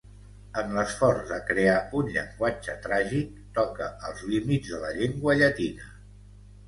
En l'esforç de crear un llenguatge tràgic, toca els límits de la llengua llatina.